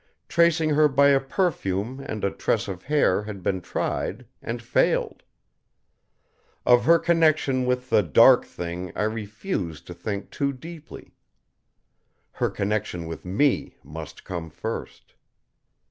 Tracing her by a perfume and a tress of hair had been tried, and failed. Of her connection with the Dark Thing I refused to think too deeply. Her connection with me must come first.